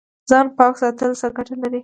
ځان پاک ساتل څه ګټه لري؟